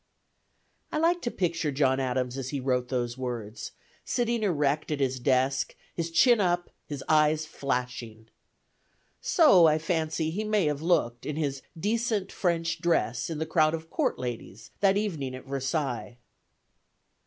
I like to picture John Adams as he wrote those words: sitting erect at his desk, his chin up, his eyes flashing. So, I fancy, he may have looked, in his "decent French dress" in the crowd of court ladies, that evening at Versailles.